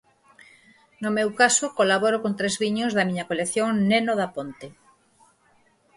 No meu caso colaboro con tres viños da miña colección Neno da Ponte.